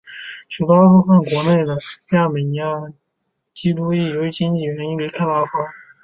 许多阿富汗国内的亚美尼亚裔基督徒由于经济原因离开了阿富汗。